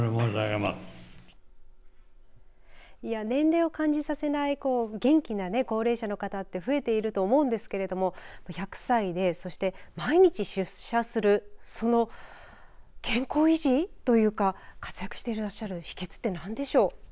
年齢を感じさせない元気な高齢者の方って増えていると思うんですけど１００歳でそして毎日出社するその健康維持というか活躍していらっしゃる秘けつって何でしょう。